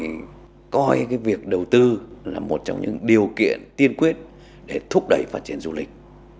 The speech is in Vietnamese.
chúng ta phải coi việc đầu tư là một trong những điều kiện tiên quyết để thúc đẩy phát triển du lịch